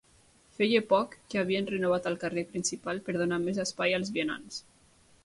Feia poc que havien renovat el carrer principal per donar més espai als vianants.